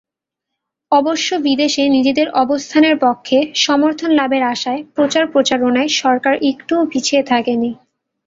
অবশ্য বিদেশে নিজেদের অবস্থানের পক্ষে সমর্থনলাভের আশায় প্রচার-প্রচারণায় সরকার একটুও পিছিয়ে থাকেনি।